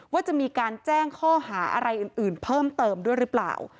ว่าจะมีการแจ้งข้อหาอะไรอื่นเพิ่มเติมด้วยหรือเปล่า